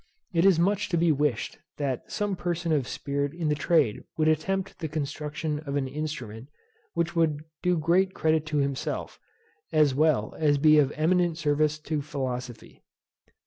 It is much to be wished, that some person of spirit in the trade would attempt the construction of an instrument, which would do great credit to himself, as well as be of eminent service to philosophy.